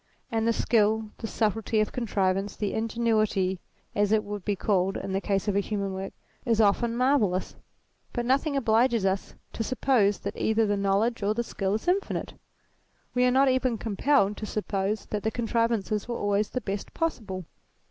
And the skill, the subtlety of contrivance, the ingenuity as it would be called in the case of a human work, is often marvellous. But nothing obliges us to suppose that either the knowledge or the skill is infinite. We are not even compelled to suppose that the contrivances were always the best possible.